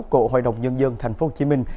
của hội đồng nhân dân tp hcm